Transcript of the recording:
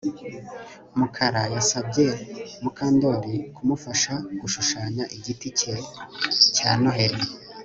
Mukara yasabye Mukandoli kumufasha gushushanya igiti cye cya Noheri